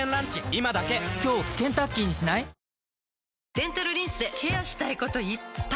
デンタルリンスでケアしたいこといっぱい！